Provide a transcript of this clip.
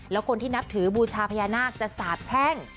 แล้วคนที่นับถือบูชาพญานาคจะสาบแช่ง